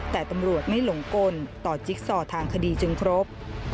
แต่ตำรวจไม่หลงกลต่อจิ๊กซอทางคดีจึงครบ